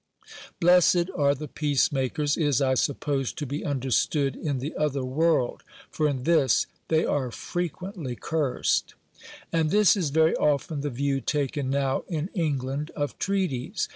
'Blessed are the peace makers' is, I suppose, to be understood in the other world, for in this they are frequently cursed." And this is very often the view taken now in England of treaties.